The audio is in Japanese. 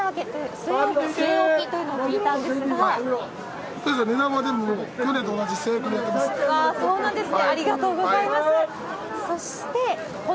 そうなんですね。